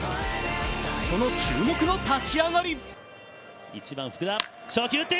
その注目の立ち上がり。